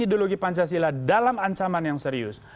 ideologi pancasila dalam ancaman yang serius